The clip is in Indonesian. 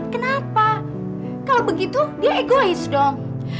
kenapa kalau begitu dia egois dong